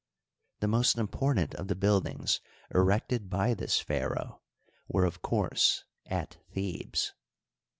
The most im portant of the buildings erected by this pharaoh were, of course, at Thebes.